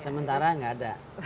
sementara enggak ada